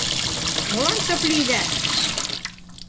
— Молан шып лийда?